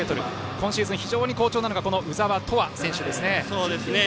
今シーズン非常に好調なのがこの鵜澤飛羽選手ですね。